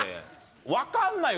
分かんないよ